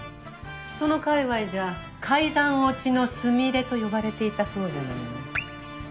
そのかいわいじゃ階段落ちのスミレと呼ばれていたそうじゃないの。